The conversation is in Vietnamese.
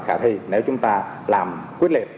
khả thi nếu chúng ta làm quyết liệt